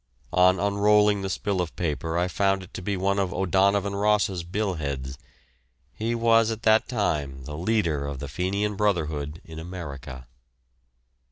On unrolling the spill of paper I found it to be one of O'Donovan Rossa's billheads; he was at that time the leader of the Fenian brotherhood in America.